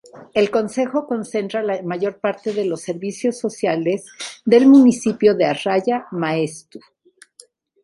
El concejo concentra la mayor parte de los servicios sociales del municipio de Arraya-Maestu.